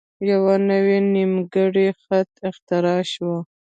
یوه نوی نیمګړی خط اختراع شو.